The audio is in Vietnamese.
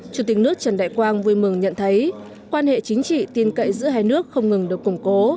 chủ tịch nước trần đại quang vui mừng nhận thấy quan hệ chính trị tin cậy giữa hai nước không ngừng được củng cố